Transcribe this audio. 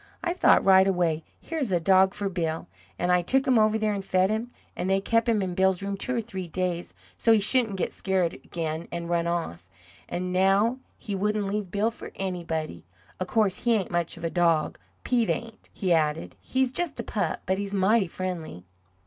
I thought right away, 'Here's a dog for Bill!' And I took him over there and fed him, and they kept him in Bill's room two or three days, so he shouldn't get scared again and run off; and now he wouldn't leave Bill for anybody. Of course, he ain't much of a dog, Pete ain't," he added "he's just a pup, but he's mighty friendly!"